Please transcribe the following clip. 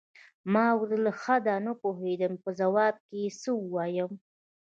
ما ورته وویل: ښه ده، نه پوهېدم چې په ځواب کې یې څه ووایم.